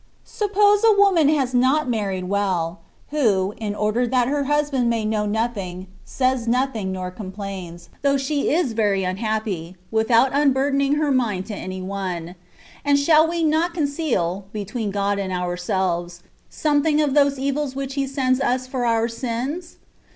Sup pose a woman has not married well, who, in order that her husband may know nothing, says nothing nor complains, though she is very unhappy, with out unburdening her mind to any one ; and shall we not conceal, between God and ourselves, something of those evils which He sends us for our sins